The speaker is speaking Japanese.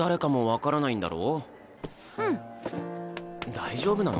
大丈夫なの？